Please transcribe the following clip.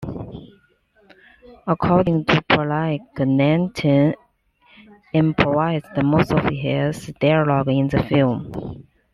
According to Pollack, Nelson improvised most of his dialogue in the film.